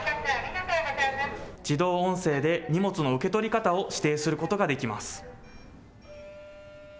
自動音声で荷物の受け取り方を指定することができます。